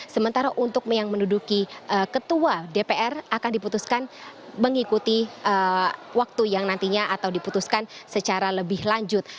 sementara untuk yang menduduki ketua dpr akan diputuskan mengikuti waktu yang nantinya atau diputuskan secara lebih lanjut